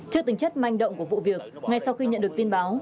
trước tình chất manh động của vụ việc ngay sau khi nhận được tin báo